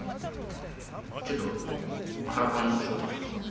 ちょっと腹パンしとこうか。